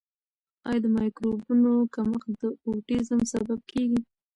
آیا د مایکروبونو کمښت د اوټیزم سبب کیږي؟